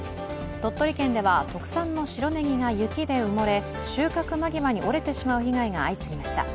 鳥取県では特産の白ねぎが雪で埋もれ収穫間際に折れてしまう被害が相次ぎました。